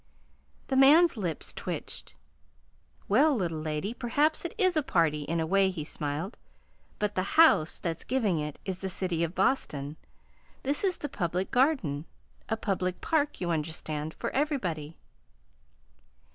The man's lips twitched. "Well, little lady, perhaps it is a party, in a way," he smiled; "but the 'house' that's giving it is the city of Boston. This is the Public Garden a public park, you understand, for everybody."